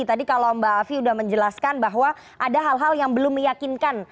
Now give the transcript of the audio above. tadi kalau mbak afi sudah menjelaskan bahwa ada hal hal yang belum meyakinkan